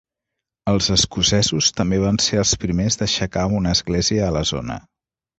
Els escocesos també van ser els primers d'aixecar una església a la zona.